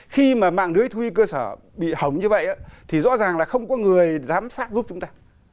khi mà mạng lưới thu huy cơ sở bị hỏng như vậy thì rõ ràng là không có người giám sát giúp chúng ta